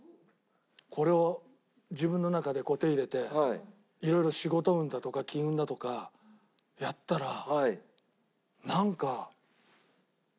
これを自分の中でこう手を入れて色々仕事運だとか金運だとかやったらなんか。